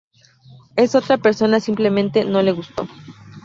Esta otra persona simplemente no le gustó".